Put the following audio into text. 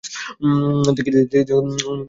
দেখি তুমি দেও কি না দেও!